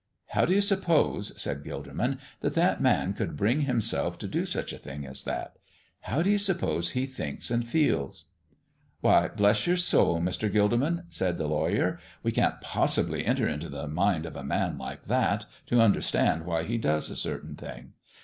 "How do you suppose," said Gilderman, "that that man could bring himself to do such a thing as that? How do you suppose he thinks and feels?" "Why, bless your soul, Mr. Gilderman," said the lawyer, "we can't possibly enter into the mind of a man like that to understand why he does a certain thing.